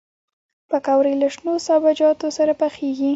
پکورې له شنو سابهجاتو سره پخېږي